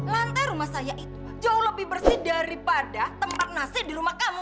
lantai rumah saya itu jauh lebih bersih daripada tempat nasi di rumah kamu